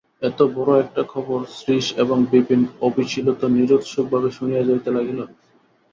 এত বড়ো একটা খবর শ্রীশ এবং বিপিন অবিচলিত নিরুৎসুক ভাবে শুনিয়া যাইতে লাগিল।